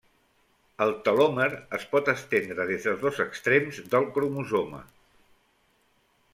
El telòmer es pot estendre des dels dos extrems del cromosoma.